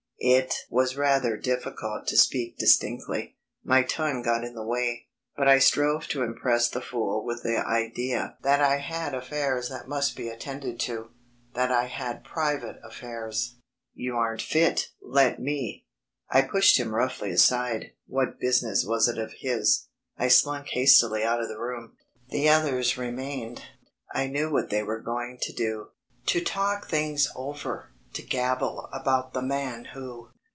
It was rather difficult to speak distinctly; my tongue got in the way. But I strove to impress the fool with the idea that I had affairs that must be attended to that I had private affairs. "You aren't fit. Let me...." I pushed him roughly aside what business was it of his? I slunk hastily out of the room. The others remained. I knew what they were going to do to talk things over, to gabble about "the man who...."